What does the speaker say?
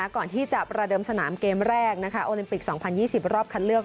ก่อนที่จะประเดิมสนามเกมแรกโอลิมปิก๒๐๒๐รอบคัดเลือก